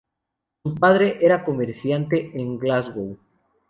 Su padre era un comerciante en Glasgow.